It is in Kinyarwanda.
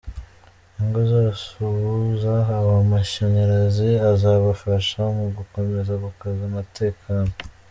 Ingo zose ubu zahawe amashanyarazi azabafasha mu gukomeza gukaza umutekano.